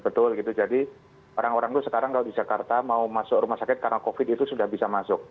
betul gitu jadi orang orang itu sekarang kalau di jakarta mau masuk rumah sakit karena covid itu sudah bisa masuk